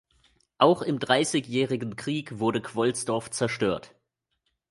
Auch im Dreißigjährigen Krieg wurde Quolsdorf zerstört.